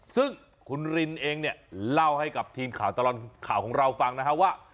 ซึ่งคุณรินเองเนี่ยเล่าให้กับทีมข่าวตลอดข่าวของเราฟังนะฮะว่า